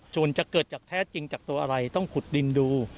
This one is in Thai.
ส่วนจะเกิดจากแท้จริงจากตัวอะไรต้องขุดดินดู